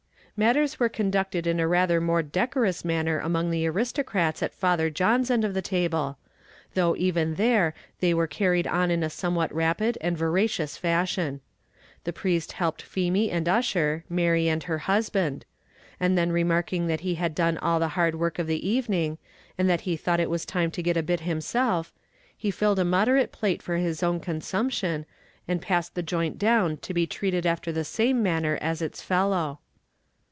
Matters were conducted in a rather more decorous manner among the aristocrats at Father John's end of the table though even here they were carried on in a somewhat rapid and voracious fashion. The priest helped Feemy and Ussher, Mary and her husband; and then remarking that he had done all the hard work of the evening, and that he thought it was time to get a bit himself, he filled a moderate plate for his own consumption, and passed the joint down to be treated after the same manner as its fellow.